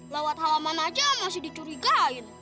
lewat halaman aja masih dicurigain